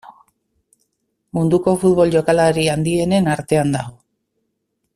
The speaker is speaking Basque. Munduko futbol jokalari handienen artean dago.